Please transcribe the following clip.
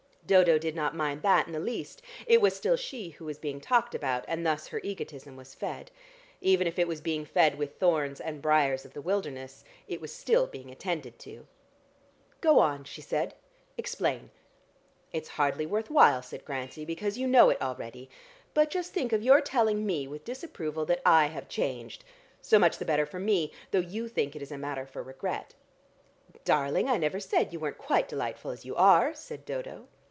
Dodo did not mind that in the least; it was still she who was being talked about, and thus her egotism was fed. Even if it was being fed with 'thorns and briars of the wilderness,' it was still being attended to. "Go on," she said. "Explain." "It's hardly worth while," said Grantie, "because you know it already. But just think of your telling me with disapproval that I have changed! So much the better for me, though you think it is a matter for regret." "Darling, I never said you weren't quite delightful as you are," said Dodo.